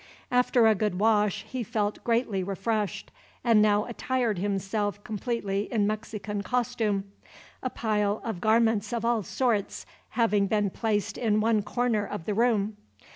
After a good wash he felt greatly refreshed, and now attired himself completely in Mexican costume, a pile of garments of all sorts having been placed in one corner of the room.